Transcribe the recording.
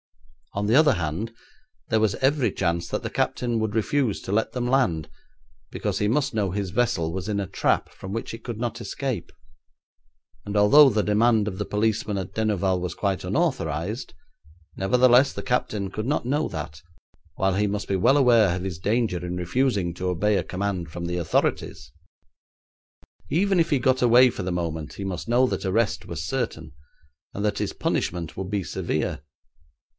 On the other hand, there was every chance that the captain would refuse to let them land, because he must know his vessel was in a trap from which it could not escape, and although the demand of the policeman at Denouval was quite unauthorised, nevertheless the captain could not know that, while he must be well aware of his danger in refusing to obey a command from the authorities. Even if he got away for the moment he must know that arrest was certain, and that his punishment would be severe.